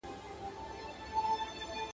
د لارې او سرک حق ادا کړئ.